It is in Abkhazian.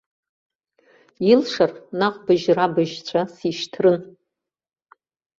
Илшар, наҟ быжьра-быжьҵәа сишьҭрын.